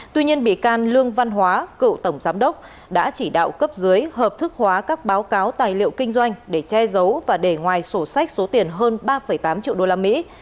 tuy nhiên bị can lương văn hóa cựu tổng giám đốc đã chỉ đạo cấp dưới hợp thức hóa các báo cáo tài liệu kinh doanh để che giấu và để ngoài sổ sách số tiền hơn ba tám triệu đô la mỹ